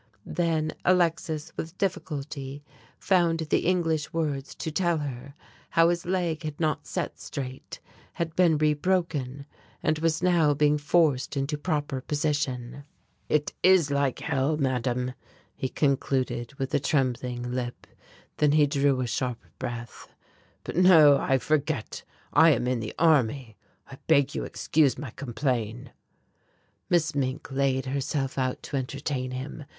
Then Alexis with difficulty found the English words to tell her how his leg had not set straight, had been re broken and was now being forced into proper position. "It is like hell, Madame," he concluded with a trembling lip, then he drew a sharp breath, "But no, I forget, I am in the army. I beg you excuse my complain." Miss Mink laid herself out to entertain him.